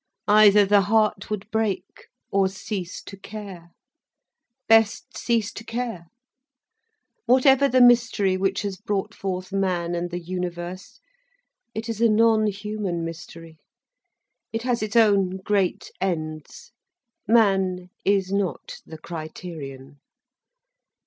Either the heart would break, or cease to care. Best cease to care. Whatever the mystery which has brought forth man and the universe, it is a non human mystery, it has its own great ends, man is not the criterion.